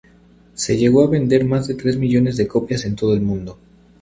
Se llegó a vender más de tres millones de copias en todo el mundo.